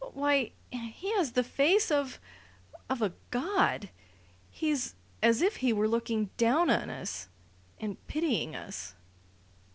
Why, he has the face of of a god! He's as if he were looking down on us and pitying us...."